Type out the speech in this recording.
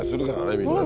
みんなね。